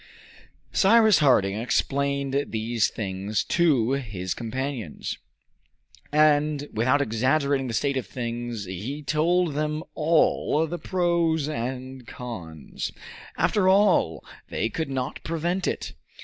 Cyrus Harding explained these things to his companions, and, without exaggerating the state of things, he told them all the pros and cons. After all, they could not prevent it.